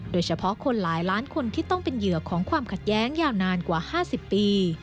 โดยเฉพาะคนหลายล้านคนที่ต้องเป็นเหยื่อของความขัดแย้งยาวนานกว่า๕๐ปี